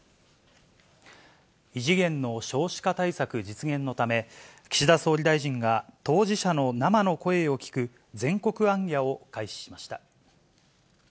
異次元の少子化対策実現のため、岸田総理大臣が当事者の生の声を聞く全国行脚を開始しました。